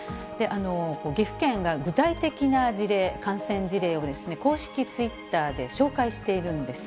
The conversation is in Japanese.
岐阜県が具体的な事例、感染事例を公式ツイッターで紹介しているんです。